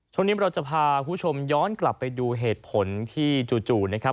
ช่วงนี้เราจะพาคุณผู้ชมย้อนกลับไปดูเหตุผลที่จู่นะครับ